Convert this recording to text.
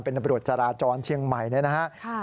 เป็นอบรวจจาราจรเชียงใหม่นะครับ